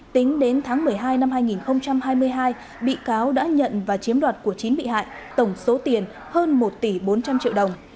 tính đến tháng một mươi hai năm hai nghìn hai mươi hai bị cáo đã nhận và chiếm đoạt của chín bị hại tổng số tiền hơn một tỷ bốn trăm linh triệu đồng